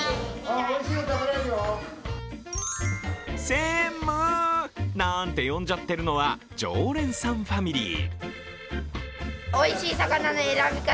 せんむなんて呼んじゃってるのは常連さんファミリー。